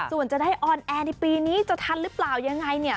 ส่วนจะได้ออนแอร์ในปีนี้จะทันหรือเปล่ายังไงเนี่ย